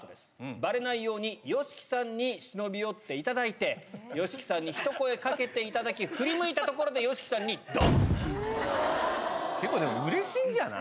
ばれないように、ＹＯＳＨＩＫＩさんに忍び寄っていただいて、ＹＯＳＨＩＫＩさんに一声かけていただき、振り向いたところでＹＯＳＨＩＫＩさんに、結構でもうれしいんじゃない？